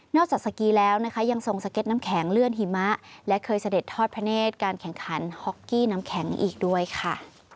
จากสกีแล้วนะคะยังทรงสเก็ตน้ำแข็งเลื่อนหิมะและเคยเสด็จทอดพระเนธการแข่งขันฮอกกี้น้ำแข็งอีกด้วยค่ะ